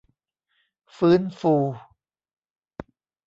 ฟื้นฟู